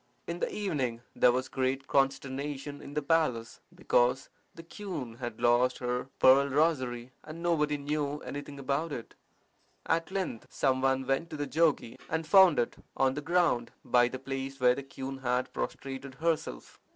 In the evening there was great consternation in the palace, because the queen had lost her pearl rosary, and nobody knew anything about it. At length some one went to the jogi, and found it on the ground by the place where the queen had prostrated herself.